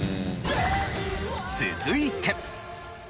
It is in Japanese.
続いて。